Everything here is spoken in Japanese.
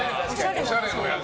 おしゃれのやつ。